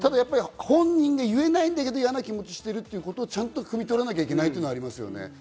本人が言えないけど嫌な気持ちしてることをちゃんとくみ取らなきゃいけないってのはあります